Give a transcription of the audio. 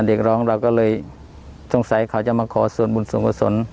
น่ะเด็กร้องเราก็เลยสงสัยเขาจะมาขอส่วนบุญสงสน